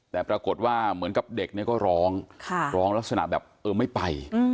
แต่ปรากฏว่าเหมือนกับเด็กเนี่ยก็ร้องร้องลักษณะแบบเออไม่ไป